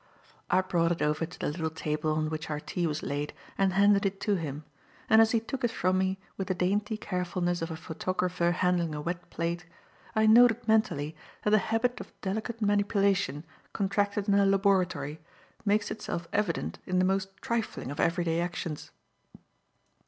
I brought it over to the little table on which our tea was laid and handed it to him; and as he took it from me with the dainty carefulness of a photographer handling a wet plate, I noted mentally that the habit of delicate manipulation contracted in the laboratory makes itself evident in the most trifling of everyday actions.